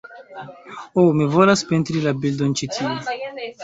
"Oh, mi volas pentri la bildon ĉi tie"